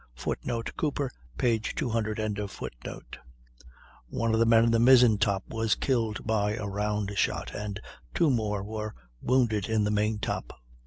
[Footnote: Cooper, p. 200.] One of the men in the mizzen top was killed by a round shot, and two more were wounded in the main top.